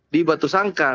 di batu sangkar